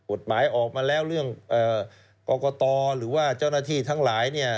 กฎหมายออกมาแล้วเรื่องกรกตหรือว่าเจ้าหน้าที่ทั้งหลายเนี่ย